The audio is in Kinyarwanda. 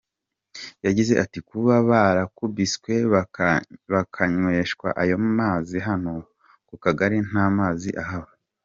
Yagize ati “Kuba barakubiswe bakanyweshwa ayo mazi hano ku kagari nta mazi ahaba.